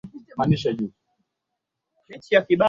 Nataka kula kuku kwa mchele leo